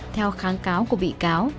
theo kháng cáo của bị cáo